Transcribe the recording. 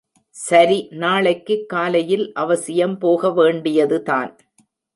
சரி நாளைக்குக் காலையில் அவசியம் போக வேண்டியதுதான்.